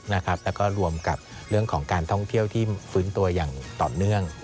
แล้วก็รวมกับเรื่องของการท่องเที่ยวที่ฟื้นตัวอย่างต่อเนื่อง